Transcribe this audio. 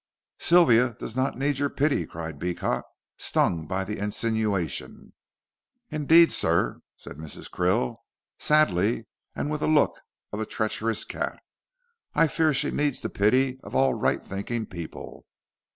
"Sylvia does not need your pity," cried Beecot, stung by the insinuation. "Indeed, sir," said Mrs. Krill, sadly, and with the look of a treacherous cat, "I fear she needs the pity of all right thinking people.